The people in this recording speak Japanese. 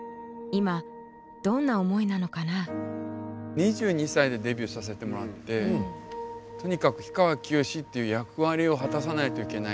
２２歳でデビューさせてもらってとにかく氷川きよしっていう役割を果たさないといけない。